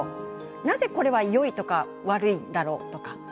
なぜこれはよいとか悪いだろうとか。